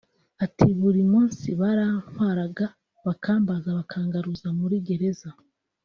Ati “Buri munsi barantwaraga bakambaza bakangaruza muri gereza